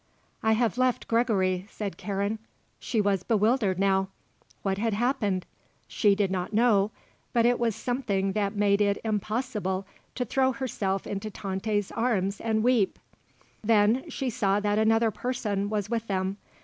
"I have left Gregory," said Karen. She was bewildered now. What had happened? She did not know; but it was something that made it impossible to throw herself in Tante's arms and weep. Then she saw that another person was with them.